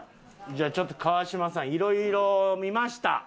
じゃあちょっと川島さん色々見ました。